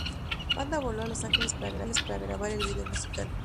La banda voló a Los Ángeles para grabar el vídeo musical.